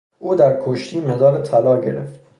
او در کشتیمدال طلا گرفت.